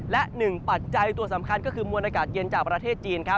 และหนึ่งปัจจัยตัวสำคัญก็คือมวลอากาศเย็นจากประเทศจีน